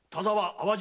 淡路